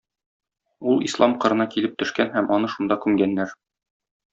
Ул Ислам кырына килеп төшкән һәм аны шунда күмгәннәр.